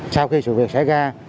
sau khi sự việc xảy ra